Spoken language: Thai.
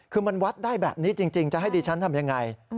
คือมันวัดได้แบบนี้จริงจะให้ดิฉันทำยังไง